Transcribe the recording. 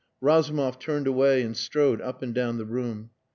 Razumov turned away and strode up and down the room.